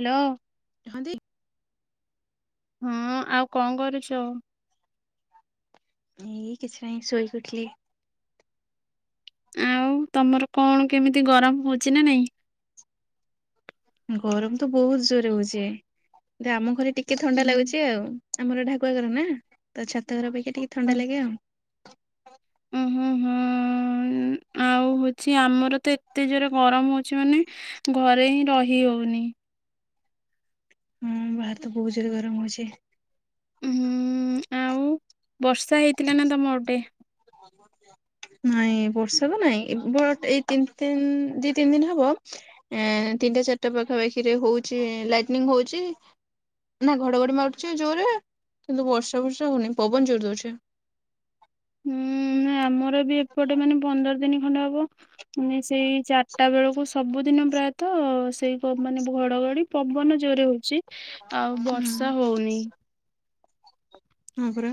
Hello. [unintelligible] ହଁ ଆଉ କଣ କରୁଛୁ? ଏଇ କିଛି ନାହିଁ ଶୋଇକି ଉଠିଲି। ଆଉ ତମର କଣ କେମିତି ଗରମ ହଉଛି ନା ନାଇଁ? ଗରମ ତ ବହୁତ ଜୋରରେ ହଉଚି କିନ୍ତୁ ଆମ ଘରେ ଟିକେ ଥଣ୍ଡା ଉଁ ଲାଗୁଛି ଆଉ ଆମର ଢାକୁଆ ଘର ନା ତ ଛାତ ଘର ଅପେକ୍ଷା ଟିକେ ଥଣ୍ଡା ଉଁ ଲାଗେ ଆଉ ହୁଁ ଅଛି ଆମର ତ ଏତେ ଜୋରେ ଗରମ ହଉଛି ମାନେ ଘରେ ହିଁ ରହି ହଉନି। ହଁ ବାହରେ ତ ବହୁତ ଜୋରେ ଗରମ ହଉଛି। ହୁଁ ଆଉ ବର୍ଷା ହେଇଥିଲା ନା ତମ ଗୋଟେ ନାଇଁ ବର୍ଷାତ ନାଇଁ ଏ ବଟ ଏଇ ତିନି ତିନ ଦି ତିନି ଦିନ ହବ ଏଁ ତିନିଟା ଚାରିଟା ପାଖାପାଖିରେ ହଉଛି ଲାଇଟିଙ୍ଗ ହଉଛି। ନା ଘଡଘଡି ମାରୁଛି ଜୋରେ କିନ୍ତୁ ବର୍ଷା ଫର୍ଷା ହଉନି ପବନ ଜୋର ଦଉଛିି। ହୁଁ ଆମର ବି ଏପଟେ ମାନେ ପନ୍ଦର ଦିନ ଖଣ୍ଡ ହବ। ମାନେ ସେଇ ଚାରିଟା ବେଳକୁ ସବୁଦିନ ପ୍ରାୟତଃ ସେଇ ଗବ ମାନେ ଘଡଘଡି ପବନ ଜୋରେ ହଉଛି ଆଉ ହୁଁ। ବର୍ଷା ହଉନି। ହ ପରା।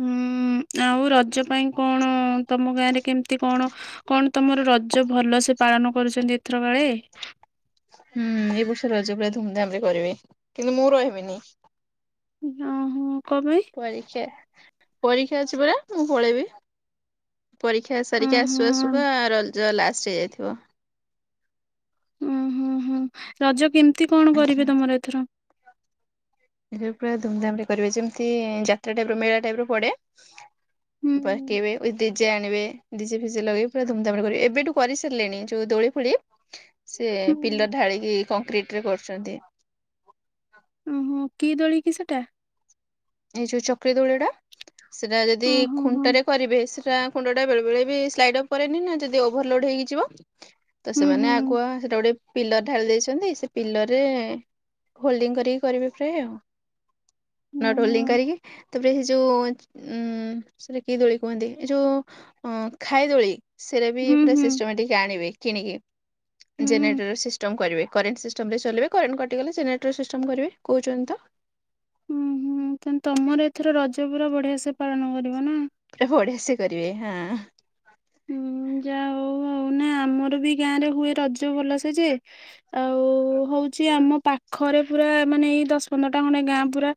ହୁଁ ଆଉ ରଜ ପାଇଁ କଣ ତମ ଗାଁରେ କେମିତି କଣ କଣ ତମର ରଜ ଭଲସେ ପାଳନ କରୁଛନ୍ତି ଏଥର ଆଳେ? ହୁଁ ଏ ବର୍ଷ ରହିଛି ପୁରା ଧୁମଧାମ ରେ କରିବେ କିନ୍ତୁ ମୁଁ ରହିବିନି। ଓହୋ କ ପାଇଁ? ପରୀକ୍ଷା ପରୀକ୍ଷା ଅଛି ପରା ମୁଁ ପଳେଇବି। ପରୀକ୍ଷା ସାରିକି ଓହୋ ଆସୁଆସୁ ବା ରଜ ଲାଷ୍ଟ ହେଇଯାଇଥିବ। ଓହୋ ହୋଁ ରଜ କେମିତି କଣ ଆଜ୍ଞା କରିବେ ତମର ଏଥର? ଏଥର ପୁରା ଧୁମଧାମରେ କରିବେ ଯେମିତି ଯାତ୍ରା ଟାଇପ ର ମେଳା ଟାଇପ ର ପଡେ। ହୁଁ ପକେଇବେ ୱିଥ ଡିଜେ ଆଣିବେ ଡି ଜେ ଫିଜେ ଲଗେଇକି ପୁରା ଧୁମଧାମରେ କରିବେ। ଏବେଠୁ କରିସାରିଲେଣି ଯୋଉ ଦୋଳି ଫୋଳି ସେ ହୁଁ ପିଲର ଢାଳିକି କଂକ୍ରିଟ ରେ କରୁଛନ୍ତି। ଓହୋ କି ଦୋଳି କି ସେଟା? ଏଇ ଯୋଉ ଚକରି ଦୋଳି ଟା ସେଟା ଯଦି ଓହୋ ହୋ ଖୁଣ୍ଟାରେ କରିବେ, ସେଟା କୁଣ୍ଡ ଟା ବେଳେବେଳେ ବି ସ୍ଲାଇଡ୍ ଅପ୍ ପରେନି ନା ଯଦି ଓଭରଲୋଡ ହେଇିଯିବ। ତ ହୁଁ ହୁଁ ସେମାନେ ଆଗୁଆ ସେଟା ଗୋଟେ ପିଲର ଢାଳି ଦେଇଛନ୍ତି ସେ ପିଲର ରେ ହୋଲଡିଙ୍ଗ କରିକି କରିବେ ପ୍ରାୟ ଆଉ। ନଟ ଓହୋ ହୋଲ୍ଡିଙ୍ଗ କରିକି ତାପରେ ସେ ଯୋଉ ଉମ ସେଇଟା କି ଦୋଳି କୁହନ୍ତି ଏ ଯୋଉ ଅଁ ଖାଇଦୋଳି। ସେଇଟା ବି ହୁଁ ପୁରା ହୁଁ ସିଷ୍ଟମାଟିକ ଆଣିବେ କିଣିକି ହୁଁ ଜେନେରେଟର ସିଷ୍ଟମ କରିବେ। କରେଣ୍ଟ ସିଷ୍ଟମରେ ଚଲେଇବେ କରେଣ୍ଟ କଟିଗଲେ ଜେନେଟର ସିଷ୍ଟମ୍ କରିବେ, କହୁଛନ୍ତି ତ। ହୁଁ ହୁଁ ତାହେଲେ ତମର ଏଥର ରଜ ପୁରା ବଢିଆ ସେ ପାଳନ କରିବ ନା। ପୁରା ବଢିଆ ସେ କରିବେ ହଁ। ହୁଁ ଯାହା ହଉ ଆଉ ନା ଆମର ବି ଗାଁ ରେ ହୁଏ ରଜ ଭଲ ସେ ଯେ ଆଉ ହଉଛି ଆମ ପାଖରେ ପୁରା ମାନେ ଏଇ ଦଶ ପନ୍ଦରଟା ଖଣ୍ଡେ ଗାଁ ପୁରା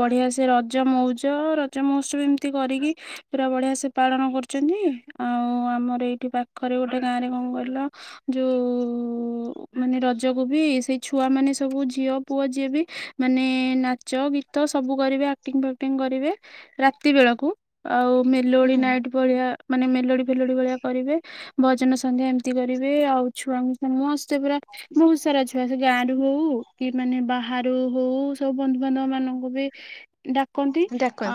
ବଢିଆ ସେ ରଜ ମଉଜ ରଜ ମହ ଉତ୍ସବ ଏମିତି କରିକି ପୁରା ବଢିଆ ସେ ପାଳନ କରୁଛନ୍ତି। ଆଉ ଆମର ଏଇଠି ପାଖରେ ଗୋଟେ ଗାଁ ରେ କଣ କହିଲ ଯଉ ମାନେ ରଜକୁ ବି ସେଇ ଛୁଆ ମାନେ ସବୁ ଝିଅ ପୁଅ ଯିଏ ବି ମାନେ ନାଚ ଗୀତ ସବୁ କରିବେ ଆକ୍ଟିଂ ଫାକ୍ଟିଂ କରିବେ ରାତି ବେଳକୁ। ଆଉ ମେଲୋଡି ନାଇଟ୍ ହୁଁ ଭଳିଆ ମାନେ ମେଲୋଡି ଫେଲୋଡି ଭଳିଆ କରିବେ ଭଜନ ସନ୍ଧ୍ୟା ଏମିତି କରିବେ ଆଉ ଛୁଆଙ୍କୁ ମସ୍ତେ ପୁରା ବହୁତ ସାରା ଛୁଆ ସେ ଗାଁ ରୁ ହଉ କି ମାନେ ବାହାରୁ ହଉ ସବୁ ବନ୍ଧୁବାନ୍ଧବ ମାନଙ୍କୁ ବି ଡା କହନ୍ତି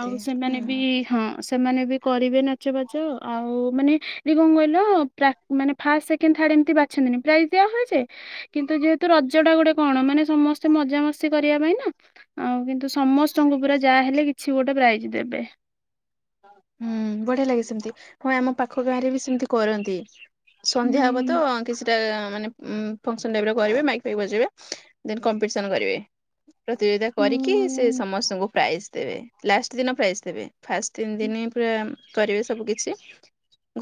ଆଉ ସେମାନେ ହୁଁ। ବି ହଁ ସେମାନେ ବି କରିବେ ନାଚ ବାଚ ଆଉ ମାନେ ଦି କଣ କହିଲ ମାନେ ପ୍ରା ଫାଷ୍ଟ ସେକେଣ୍ଡ ଥାଡ ଏମତି ବାଛନ୍ତିନି ପ୍ରାଇଜ ଦିଆହୁଏ ଜେ କିନ୍ତୁ ଯେହେତୁ ରଜଟା ଗୋଟେ କଣ ମାନେ ସମସ୍ତେ ମଜାମସ୍ତି କରିବା ପାଇଁ ନା। ଆଉ କିନ୍ତୁ ସମସ୍ତଙ୍କୁ ପୁରା ଯାହାହଲେ କିଛି ଗୋଟେ ପ୍ରାଇଜ ଦେବେ। ହୁଁ ବଢିଆ ଲାଗେ ସେମିତି ହଁ ଆମ ପାଖ ଗାଁରେ ବି ସେମତି କରନ୍ତି। ସନ୍ଧ୍ୟା ହବ ହୁଁ ତ କିଛିଟା ମାନେ ଉଁ ଫଙ୍କସନ୍ ଟାଇପର କରିବେ ମାଇକ ଫାଇକ ବଜେଇବେ ଦେନ କମ୍ପିଟେସନ କରିବେ। ପ୍ରତିଯୋଗିତା କରିକି ସେ ହୁଁ ସମସ୍ତଙ୍କୁ ପ୍ରାଇଜ ଦେବେ ଲାଷ୍ଟ ଦିନ ପ୍ରାଇଜ ଦେବେ ଫାଷ୍ଟ ତିନି ଦିନ ପୁରା କରିବେ ସବୁ କିଛି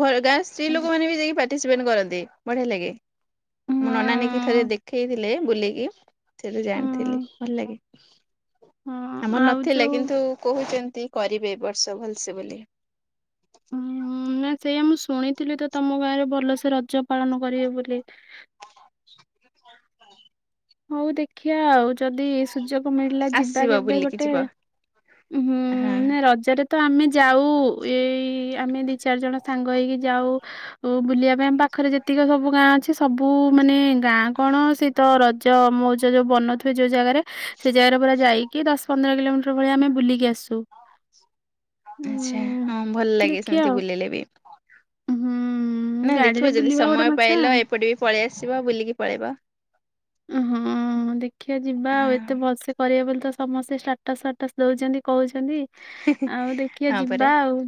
ଘର ଗାଁ ସ୍ତ୍ରୀ ହଁ ଲୋକମାନେ ବି ଯାଇକି ପାଟ ପାଟିସ୍ପେଣ୍ଟ କରନ୍ତି ବଢିଆ ଲାଗେ ମୋ ନନା ଥରେ ଦେଖେଇଥିଲେ ବୁଲେଇକି ସେଠୁ ହଁ ଜାଣିଥିଲି ଭଲ ଲାଗେ ହଁ ଆମର ଆଉ ନଥିଲା ଯୋଉ କିନ୍ତୁ କହୁଛନ୍ତି କରିବେ ଏବର୍ଷ ଭଲସେ ବୋଲି। ଉଁ ନା ସେଇଆ ମୁଁ ଶୁଣିଥିଲି ତ ତମ ଗାଁରେ ଭଲସେ ରଜ ପାଳନ କରିବି ବୋଲି। ହଉ ଦେଖିଆ ଆଉ ଯଦି ସୁଯୋଗ ମିଳିଲା ଯିବା ଆସିବ କେବେ ବୁଲିକି ଗୋଟେ। ଯିବ ହୁଁ ହଁ ନା ରଜରେ ତ ଆମେ ଯାଉ ଏଇ ଆମେ ଦି ଚାରି ଜଣ ସାଙ୍ଗ ହେଇ କି ଯାଉ ଓ ବୁଲିବା ପାଇଁ ଆମ ପାଖରେ ଯେତିକି ସବୁ ଗାଁ ଅଛି ସବୁ ମାନେ ଗାଁ କଣ ସେ ତ ର ମଉଜ ଯୋଉ ବନଉଥିବେ ଯୋଉ ଜାଗାରେ ସେ ଜାଗାରେ ପୁରା ଯାଇକି ଦଶ ପନ୍ଦର କିଲୋମିଟର ଭଳିଆ ଆମେ ବୁଲିକି ଆସୁ। ଆଚ୍ଛା ଉଁ ହଁ ଭଲ ଲାଗେ ଦେଖିଆ ସେମିତି ଆଉ ବୁଲିଲେ ବି। ହୁଁ ନାଇଁ ଗାଡିରେ ଦେଖିବ ଯଦି ବୁଲିବା ଗୋଟେ ସମୟ ମଜା ପାଇଲ ଆଉ। ଏପଟେ ବି ପଳେଇ ଆସିବ ବୁଲିକି ପଳେଇବ। ଅଁ ହଁ। ହଁ ଦେଖିଆ ଯିବା ହଁ ଆଉ ଏତେ ଭଲ୍ସେ କରିବେ ବୋଲିତ ସମସ୍ତେ ଷ୍ଟାଟସ୍ ଫାଟସ୍ ଦଉଚନ୍ତି କହୁଛନ୍ତି। ଆଉ ଦେଖିବା ହଁ ପରା ଯିବା ଆଉ।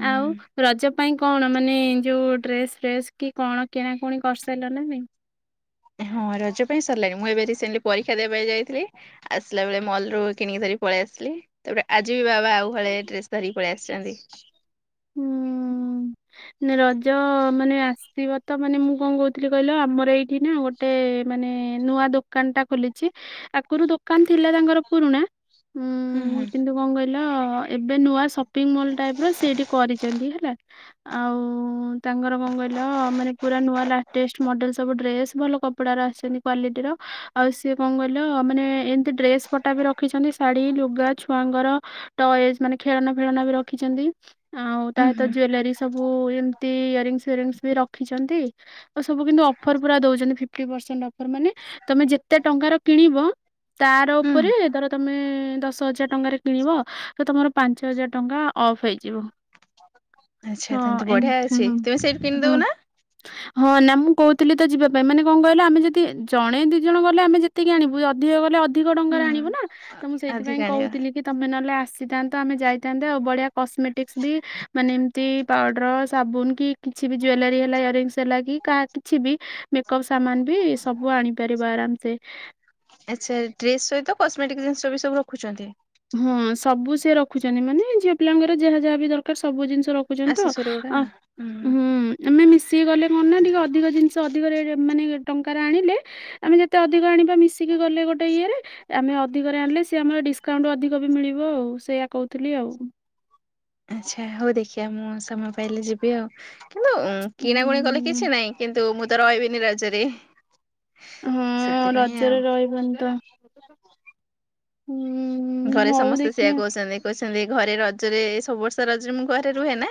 ହୁଁ ଆଉ ରଜ ପାଇଁ କଣ ମାନେ ଯୋଉ ଡ୍ରେସ୍ ଫ୍ରେସ୍ କି କଣ କିଣାକୁଣି କରିସାରିଲନି ନା ନାଇଁ। ହଁ ରଜ ପାଇଁ ସାରିଲାଣି ମୁଁ ଏବେ ରିସେଣ୍ଟଲି ପରୀକ୍ଷା ଦେବା ପାଇଁ ଯାଇଥିଲି। ଆସିଲା ବେଳେ ମଲ୍ରୁ କିଣିକି ଧରି ପଳେଇ ଆସିଲି। ତାପରେ ଆଜି ବି ବାବା ଆଉ ହଳେ ଡ୍ରେସ୍ ଧରିକି ପଳେଇ ଆସିଚନ୍ତି। ଉଁ। ରଜ ମାନେ ଆସିବ ତ ମାନେ ମୁଁ କଣ କହୁଥିଲି କହିଲ ଆମର ଏଇଠି ନା ଗୋ ଗୋଟେ ମାନେ ନୂଆ ଦୋକାନ ଟା ଖୋଲିଚି। ଆଗରୁ ଦୋକାନ ଥିଲା ତାଙ୍କର ପୁରୁଣା। ଉଁ ହୁଁ କିନ୍ତୁ କଣ କଇ ହିଲ ଏବେ ନୂଆ ସପିଂମଲ୍ ଟାଇପ୍ର ସେ ଏଠି କରିଚନ୍ତି ହେଲା। ଆଉ ତାଙ୍କର କଣ କହିଲ ମାନେ ପୁରା ନୂଆ ଲାଟେଷ୍ଟ ମଡେଲ ସବୁ ଡ୍ରେସ୍ ଭଲ କପଡାର ଆସିଚନ୍ତି। କ୍ଵାଲିଟିର ଆଉ ସିଏ କଣ କହିଲ ମାନେ ଏମିତି ଡ୍ରେସ ପଟା ବି ରଖିଚନ୍ତି ଶାଢ଼ୀ ଲୁଗା। ଛୁଆଙ୍କର ଟଏଜ୍ ମାନେ ଖେଳନା ଫେଳନା ବି ରଖିଛନ୍ତି ଆଉ ତା ଉଁ ସହିତ ହୁଁ ଜୁଏଲାରୀ। ସବୁ। ଏମିତି ଇୟରିଙ୍ଗ୍ ଫିୟରିଙ୍ଗସ୍ ବି ରଖିଛନ୍ତି। ଓ ସବୁ କିନ୍ତୁ ଅଫର୍ ପୁରା ଦଉଛନ୍ତି ଫିପ୍ଟି ପରସେଣ୍ଟ୍ ଅଫର୍ ମାନେ ତମେ ଯେତେ ଟଙ୍କାର କିଣିବ ତାର ହୁଁ ଉପରେ ଧର ତମେ ଦଶ ହଜାର ଟଙ୍କାରେ କିଣିବ ତ ତମର ପାଞ୍ଚ ହଜାର ଟଙ୍କା ଅଫ୍ ହେଇଯିବ। ଆଚ୍ଛା ହ ତାହେଲେ ତ ଏମ୍ ବଢିଆ ହଁ ଅଛି ତୁମେ ସେଇଠୁ କିଣିଦବ ହୁଁ। ନା? ହଁ ନା ମୁଁ କହୁଥିଲି ତ ଯିବା ପାଇଁ ମାନେ କଣ କହିଲ ଆମେ ଯଦି ଜଣେ ଦି ଜଣ ଗଲେ ଆମେ ଯେତିକି ଆଣିବୁ ଅଧିକ ଗଲେ ଅ ଅଧିକ ହୁଁ ଟଙ୍କାରେ ଆଣିବ ନା ତ ମୁଁ ଅଧିକା ସେଇଥିପାଇଁ ଆଣିବା କହୁଥିଲି। କି ତମେ ନ ହେଲେ ଆସିଥାନ୍ତ ଆମେ ଯାଇଥାନ୍ତେ ଆଉ ବଢିଆ କସ୍ମେଟିକ୍ସ ବି ମାନେ ଏମ୍ତି ପାଉଡ଼ର୍ ସାବୁନୁ କି କିଛି ବି ଜୁଏଲାରୀ ହେଲା ଇୟରିଙ୍ଗସ୍ ହେଲା କି କା କିଛି ବି ମେକ୍ଅପ୍ ସାମାନ ବି ସବୁ ଆଣି ପାରିବ ଆରାମ୍ ସେ। ଆଚ୍ଛା। ଡ୍ରେସ ସହିତ କସ୍ମେଟିକ୍ ଜିନିଷ ବି ସବୁ ରଖୁଚନ୍ତି। ହଁ ସବୁ ସିଏ ରଖୁଛନ୍ତି ମାନେ ଝିଅ ପିଲାଙ୍କର ଯାହା ଯାହା ବି ଦରକାର ସବୁ ଜିନିଷ ର ଖୁଚନ୍ତି ତ ଆସେସୋରି ଗୁଡା ଆ ହୁଁ ଉଁ। ଆମେ ମିଶିକି ଗଲେ କଣ ନା ଟିକେ ଅଧିକ ଜିନିଷ ଅଧିକ ରେଟ ମାନେ ଟଙ୍କାରେ ଆଣିଲେ। ଆମେ ଯେତେ ଅଧିକ ଆଣିବା ମିଶିକି ଗଲେ ଗୋଟେ ଇଏରେ। ଆମେ ଅଧିକରେ ଆଣିଲେ ସି ଆମର ଡିସ୍ କାଉଣ୍ଟ ଅଧିକ ବି ମିଳିବ ଆଉ ସେୟା କହୁଥିଲି ଆଉ। ଆଚ୍ଛା ହଉ ଦେଖିବା ମୁଁ ସମୟ ପାଇଲେ ଯିବି ଆଉ। କିନ୍ତୁ କିଣା କୁଣି କଲେ ହୁଁ। କିଛି ନାହିଁ କିନ୍ତୁ ମୁଁ ତ ରହିବିନି ରଜରେ। ହଁ ସେଥିପାଇଁ ଆଉ। ରଜରେ ରହିବନି ତ। ହୁଁ ଘରେ ହଉ ସମସ୍ତେ ସେୟା ଦେଖିଆ କହୁଚନ୍ତି। କଉଚନ୍ତି ଘରେ ରଜରେ ସବୁ ବର୍ଷ ରଜରେ ମୁଁ ଘରେ ରୁହେ ନା।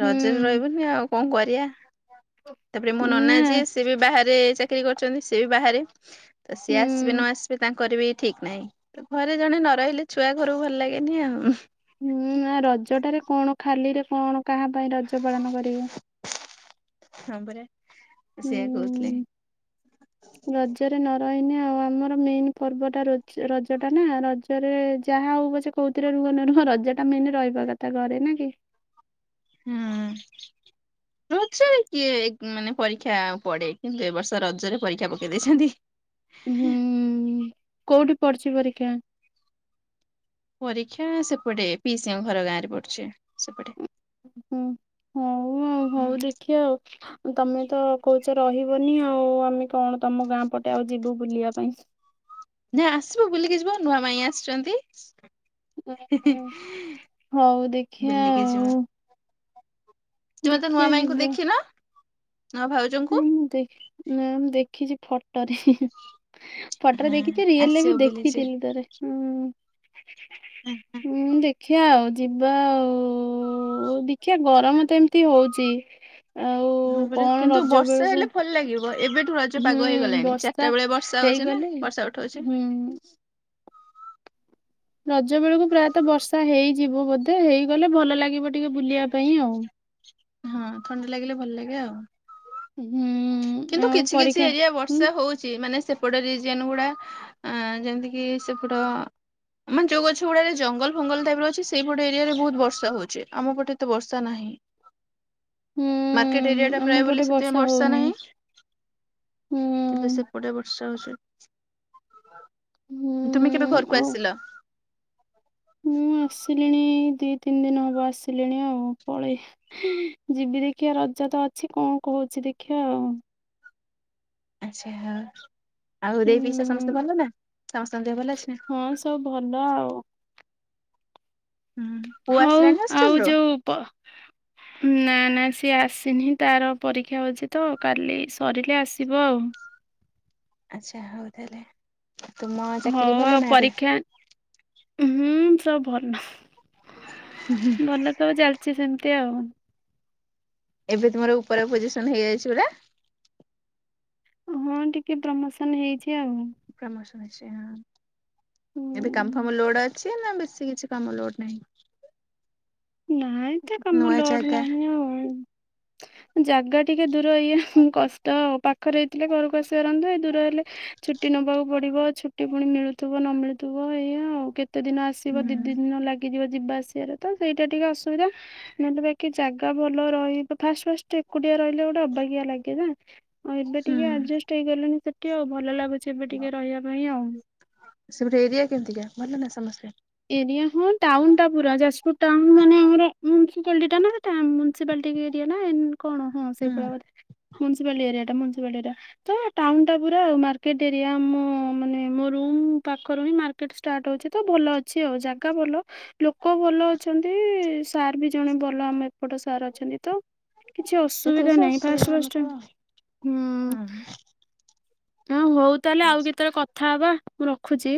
ହୁଁ। ରଜରେ ରହିବୁନି ଆଉ। କଣ କରିବା? ତା ପରେ ମୋ ନନା ନା ଯିଏ। ସିଏ ବି ବାହାରେ ଚାକିରି କରିଚନ୍ତି। ସିଏ ବି ବାହାରେ ତ ସିଏ ଆସିବେ ନ ହୁଁ। ଆସିବେ ତାଙ୍କ କରିବେ ଠିକ୍ ନାହିଁ। ଘରେ ଜଣେ ନ ରହିଲେ ଛୁଆ ଘରକୁ ଭଲ ଲାଗେନି ଆଉ। ହୁଁ ନା ରଜଟାରେ କଣ ଖାଲିରେ କଣ କାହା ପାଇଁ ରଜ ପାଳନ କରିବୁ। ହଁ ପରା ସେଇଆ କହୁଥିଲି। ହୁଁ। ରଜରେ ନ ରହିନି ଆଉ। ଆମର ମେନ୍ ପର୍ବଟା ରଜ ରଜଟା ନା ରଜ। ରଜରେ ଯାହା ହଉ ପଛେ କଉଥିରେ ରୁହ ନ ରୁହ ରଜଟା ମେନ୍ ରହିବା କଥା ଘରେ ନା କି। ହୁଁ। [inaudible] ରଜରେ କିଏ ମାନେ ପରୀକ୍ଷା ପଡେ କିନ୍ତୁ ଏ ବର୍ଷ ରଜରେ ପରୀକ୍ଷା ପକେଇ ଦେଇଛନ୍ତି। ହୁଁ କୋଉଠି ପଡୁଚି ପରୀକ୍ଷା। ପରୀକ୍ଷା ସେପଟେ ପିଇସିଙ୍କ ଘର ଗାଁରେ ପଡୁଛି ସେ ପଟେ। ହୁଁ ହଉ ହଉ ଦେଖ୍ ଖିବା ଆଉ। ତମେ ତ କହୁଛ ରହିବନି। ଆଉ ଆମେ କଣ ତମ ଗାଁ ପଟେ ଆଉ ଯିବୁ ବୁଲିବା ପାଇଁ। ନାଇଁ ଆସିବ ବୁଲିକି ଯିବ ନୂଆ ମାଇଁ ଆସିଛନ୍ତି। ହଉ ଦେଖିବା ବୁଲିକ ଆଉ ଯିବା। ତୁମେ ତ ନୂଆ ଦେଖିବା ମାଇଁଙ୍କୁ ଯିବା ଦେଖିିନ ନୂଆ ଭାଉଜଙ୍କୁ। ଦେ ନା ମୁଁ ଦେଖିଛି ଫଟୋରେ। ଫଟୋରେ ହଁ ଦେଖିଚି। ରିଏଲରେ ଆସିବ ବି ବୁଲି ଯେ ଦେଖିଥିଲି ଥରେ। ଉଁ ଦେଖ୍ ଦେଖିବା ଆଉ। ଯିବା ଆଉ। ହଉ ଦେଖିବା ଗରମ ତ ଏମ୍ତି ହଉଛି। ଆଉ ହଁ ପରା କଣ କିନ୍ତୁ ରଜ ବର୍ଷା ବେଳକୁ ହେଲେ ଭଲ ଲାଗିବ। ଏବେଠୁ ରଜ ହୁଁ ପାଗ ହେଇଗଲାଣି ବର୍ଷା ଚାରିଟା ବେଳେ ବର୍ଷା ହଉଛି ନା। ବର୍ଷା ଉଠଉଛି। ଉଁ। ରଜ ବେଳକୁ ପ୍ରାୟତଃ ବର୍ଷା ହେଇଯିବ ବୋଧେ ହେଇଗଲେ ଭଲ ଲାଗିବ ଟିକେ ବୁଲିବା ପାଇଁ ଆଉ। ହଁ ଥଣ୍ଡା ଲାଗିଲେ ଭଲ ଲାଗେ ଆଉ। ହୁ। କିନ୍ତୁ କିଛି କିଛି ଏରିଆ ବର୍ଷା ହଉଛି ମାନେ ସେପଟ ରିଜିଅନ୍ ଗୁଡା ଯେମିତି କିି ସେପଟ ଆମର ଯୋଉ ଗଛ ଗୁଡାରେ ଜଙ୍ଗଲ ଫଙ୍ଗଲ ଟାଇପର ଅଛି ସେଇପଟେ ଏରିଆରେ ବହୁତ ବର୍ଷା ହଉଛି। ଆମ ପଟେ ଏତେ ବର୍ଷା ନାହିଁ। ହୁଁ ମାର୍କେଟ ଏରିଆଟା ଆମ ପ୍ରାୟ ବୋଲି ପଟେ ସେଥିପାଇଁ ବର୍ଷା ହଉନି ହୁଁ [unintelligible] କୋଡିଏ ବର୍ଷା ହଉଛି ହୁଁ [inaudible] ତୁମେ କେବେ ଘରକୁ ଆଉ ଆସିଲ? ମୁଁ ଆସିଲିଣି ଦି ତିନି ଦିନ ହବ ଆସିଲିଣି ଆଉ ପଳେଇ ଯିବି ଦେଖିବା ରଜ ତ ଅଛି କଣ କହୁଛି ଦେଖିବା ଆଉ? ଆଚ୍ଛା ହ ଆଉ ଦେଇ ପିଇସା ସମସ୍ତେ ହୁଁ ଭଲ ନା ସମସ୍ତଙ୍କ ଦେହ ଭଲ ଅଛି ନା? ହଁ ସବୁ ଭଲ ଆଉ। ହୁଁ। ପୁଅ ହଉ ଆସିଲାଣି ଆଉ ହଷ୍ଟେଲରୁ? ଯୋଉ ପ ନା ନା ସିଏ ଆସିନି ତାର ପରୀକ୍ଷା ହଉଛି ତ କାଲି ସରିଲେ ଆସିବ ଆଉ। ଆଚ୍ଛା ହଉ ତାହେଲେ ତୁମ ଚାକିରି ହଉ ଭଲ ଆଉ ନା ଏବେ? ପରୀକ୍ଷା ହୁଁ ସବ ଭଲ ଭଲ ତ ଚାଲିଛି ସେମିତି ଆଉ। ଏବେ ତୁମର ଉପରେ ପୋଜିସନ ହେଇଯାଇଛି ପରା? ହଁ ଟିକେ ପ୍ରମୋସନ ହେଇଛି ଆଉ। ପ୍ରମୋସନ୍ ଅଛି ଏବେ କାମ ହୁଁ ଫାମ ଲୋଡ଼ ଛି ନା ବେଶୀ କିଛି କାମ ଲୋଡ ନାହିଁ। ନାଇଁ ଏତେ କାମ ନୂଆ ଲୋଡ ଜାଗା ନାହିଁ ଆଉ। ଜାଗା ଟିକେ ଦୂର ଇଏ କଷ୍ଟ ପାଖରେ ହେଇଥିଲେ ଘରକୁ ଆସିପାରନ୍ତୁ ଏ ଦୂର ହେଲେ ଛୁଟି ନବାକୁ ପଡିବ ଛୁଟି ପୁଣି ମିଳୁଥିବ ନ ମିଳୁଥିବ ଏଇଆ ଆଉ କେତ କେତେ ଦିନ ଆସିବ ହୁଁ ଦି ଦି ଦିନ ଲାଗିଯିବ ଯିବା ଆସିବାରେ ତ ସେଇଟା ଟିକେ ଅସୁବିଧା। ମେଲେ ବାକି ଜାଗା ଭଲ ରହିବ ଫାଷ୍ଟ ଫାଷ୍ଟ ଏକୁଟିଆ ରହିଲେ ଗୋଟେ ଅବାଗିଆ ଲାଗେ ନା? ହଁ ଏବେ ହୁଁ। ଟିକେ ଆଡଜଷ୍ଟ ହେଇଗଲେଣି ସେଠି ଆଉ ଭଲ ଲାଗୁଛି ଏବେ ଟିକେ ରହିବା ପାଇଁ ଆଉ। ସେପଟେ ଏରିଆ କେମିତିକା ଭଲ ନା ସମସ୍ତେ? ଏରିଆ ହ ଟାଉନ ଟା ପୁରା ଯାଜପୁର ଟାଉନମାନେ ଆମର ମୁନସିପାଲିଟା ନା? ମୁନସିପାଲିଟି ଏରିଆ ନା କଣ ହଁ ହୁଁ ସେଇ ପା ଏରିଆ ମୁନସିପାଲଟି ଏରିଆ। ତ ଟାଉନ ଟା ପୁରା ଆ ମାର୍କେଟ ଏରିଆ ଆମ ମାନେ ମୋ ର ପାଖରୁ ହୁ ମାର ଷ୍ଟାର୍ଟ ହଉଛି ତ ଭଲ ଅଛି ଆଉ ଜାଗା ଭଲ। ଲୋକ ଭଲ ଅଛନ୍ତି ସାର୍ ବି ଜଣେ ଭଲ ଆମ ଏପଟ ସାର୍ ଅଛନ୍ତି ତ? କିଛି ଏତେ ଅସୁବିଧା କିଛି ନାହିଁ ଅସୁବିଧା ଫାଷ୍ଟ ଫାଷ୍ଟ ହଉନଥିବ ଆଉ। ଟା ହଁ ହୁଁ ହଁ ହଉ ତାହେଲେ ଆଉ କେତେବେଳେ କଥା ହବା ମୁଁ ରଖୁଛି।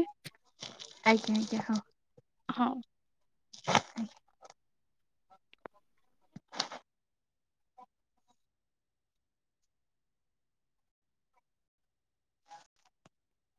ଆଜ୍ଞା ଆଜ୍ଞା ହଁ। ହଁ। [inaudible]